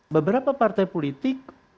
beberapa partai politik